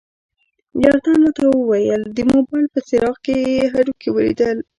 یوه تن راته وویل د موبایل په څراغ یې هډوکي ولیدل.